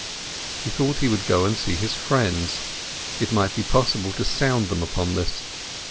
He thought he would go and see his friends. It might be possible to sound them upon this.